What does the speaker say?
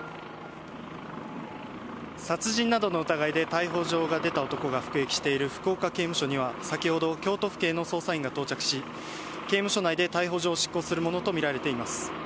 殺人などの疑いで逮捕状が出た男が服役している福岡刑務所には、先ほど、京都府警の捜査員が到着し、刑務所内で逮捕状を執行するものと見られています。